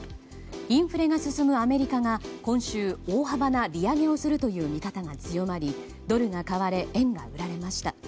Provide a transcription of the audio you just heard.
インフレが進むアメリカが今週、大幅な利上げをするという見方が強まりドルが買われ円が売られました。